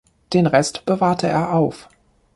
Den Rest bewahrte er auf.